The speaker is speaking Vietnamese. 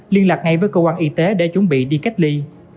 liên lạc ngay với cơ quan y tế để chuẩn bị đi cách ly